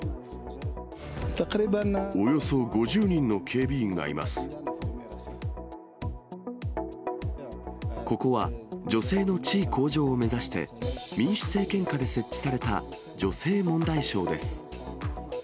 およそ５０人の警備員がいまここは、女性の地位向上を目指して、民主政権下で設置された女性問題省です。